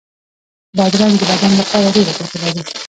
بادرنګ د بدن لپاره ډېره ګټه لري.